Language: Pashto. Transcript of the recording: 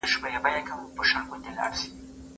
زه هره ورځ انځور ګورم!.